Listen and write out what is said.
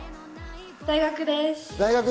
大学です。